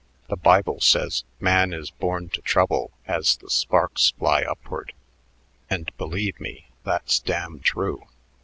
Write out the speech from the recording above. The Bible says, 'Man is born to trouble as the sparks fly upward,' and, believe me, that's damn true.